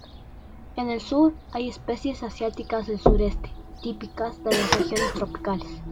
En el sur hay especies asiáticas del sureste, típicas de las regiones tropicales.